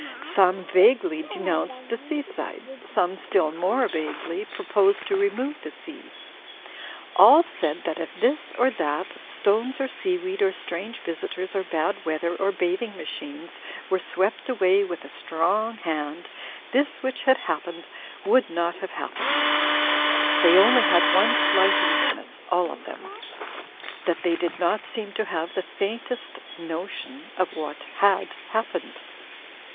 Some vaguely de nounced the sea side; some, still more vaguely, pro posed to remove the sea. All said that if this or that, stones or sea weed or strange visitors or bad weather or bathing machines were swept away with a strong hand, this which had happened would not have hap Digitized by CjOOQ IC io6 THE FLYING INN pened. They only had one slight weakness, aH of them; that they did not seem to have the faintest mo tion of what had happened.